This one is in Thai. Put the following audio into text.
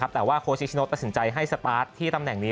แต่ว่าโค้ชนิชโนตัดสินใจให้สปาร์ทที่ตำแหน่งนี้